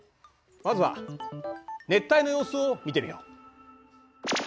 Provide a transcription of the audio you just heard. まずは熱帯の様子を見てみよう。